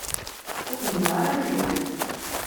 Ur fhimeɣ ara mliḥ.